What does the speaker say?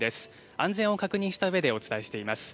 安全を確認したうえでお伝えしています。